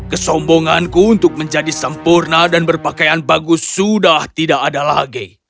kesombonganku untuk menjadi sempurna dan berpakaian bagus sudah tidak ada lagi